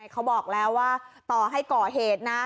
เขาบอกแล้วว่าต่อให้ก่อเหตุนะ